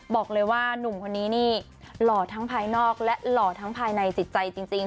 บอกเลยว่านุ่มคนนี้นี่หล่อทั้งภายนอกและหล่อทั้งภายในจิตใจจริง